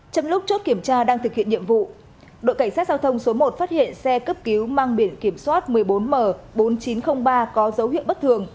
trong lúc chốt kiểm tra đang thực hiện nhiệm vụ đội cảnh sát giao thông số một phát hiện xe cấp cứu mang biển kiểm soát một mươi bốn m bốn nghìn chín trăm linh ba có dấu hiệu bất thường